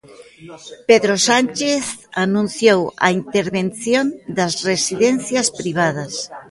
Pedro Sánchez anunciou a intervención das residencias privadas.